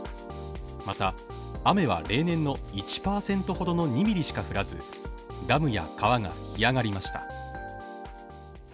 また、雨は例年の１％ほどの２ミリしか降らず、ダムや川が干上がりました。